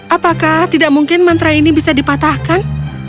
apakah tidak mungkin mantra ini bisa dipatahkan